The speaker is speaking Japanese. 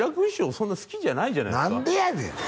そんな好きじゃないんじゃないですか何でやねん！